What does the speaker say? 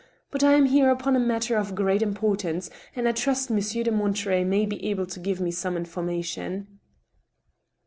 But I am here upon a matter of great im portance, and I trust Monsieur de Monterey may be able to give me some information."